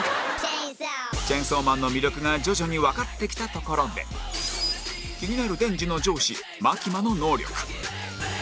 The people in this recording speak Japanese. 『チェンソーマン』の魅力が徐々にわかってきたところで気になるデンジの上司マキマの能力